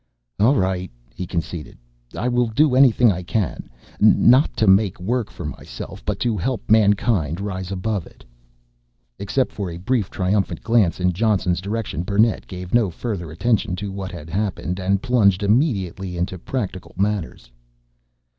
"All right," he conceded, "I will do anything I can not to make work for myself, but to help mankind rise above it." Except for a brief, triumphant glance in Johnson's direction, Burnett gave no further attention to what had happened and plunged immediately into practical matters.